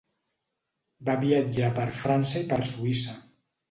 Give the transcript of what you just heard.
Va viatjar per França i per Suïssa.